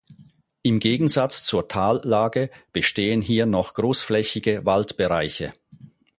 Im Gegensatz zur Tallage bestehen hier noch großflächige Waldbereiche.